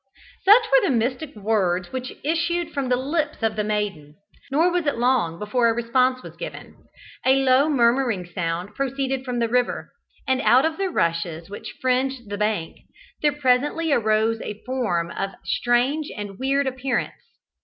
Such were the mystic words which issued from the lips of the maiden. Nor was it long before a response was given. A low murmuring sound proceeded from the river, and out of the rushes which fringed the bank there presently arose a form of strange and weird appearance.